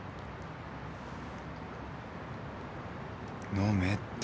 飲めって。